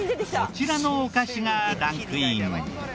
こちらのお菓子がランクイン。